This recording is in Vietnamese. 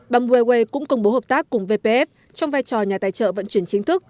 bambueway cũng công bố hợp tác cùng vpf trong vai trò nhà tài trợ vận chuyển chính thức